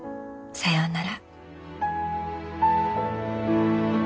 さようなら。